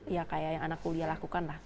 ya seperti yang anak kuliah lakukan